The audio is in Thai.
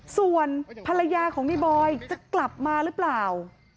ส่วนภรรยาของในบอยจะกลับมาหรือเปล่า